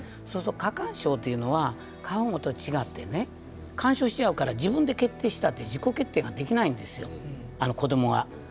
そうすると過干渉というのは過保護と違ってね干渉しちゃうから自分で決定したって自己決定ができないんですよ子どもは。